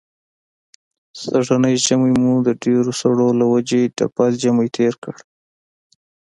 سږنی ژمی مو د ډېرو سړو له وجې ډبل ژمی تېر کړ.